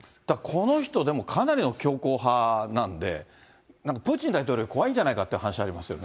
この人かなりの強硬派なんで、なんかプーチン大統領より怖いんじゃないかっていう話ありますよ